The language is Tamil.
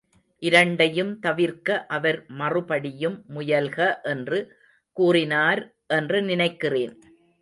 இரண்டையும் தவிர்க்க அவர் மறுபடியும் முயல்க என்று கூறினார் என்று நினைக்கிறேன்.